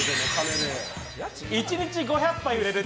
１日５００杯売れる！